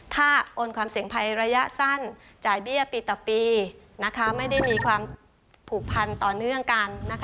ถ้าโอนความเสี่ยงภัยระยะสั้นจ่ายเบี้ยปีต่อปีไม่ได้มีความผูกพันต่อเนื่องกัน